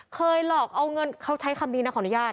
เคยหลอกเอาเงินเขาใช้คำนี้นะขออนุญาต